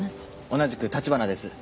同じく立花です。